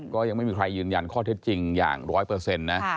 ก็ยังไม่มีใครยืนยันข้อเท็จจริงอย่าง๑๐๐นะ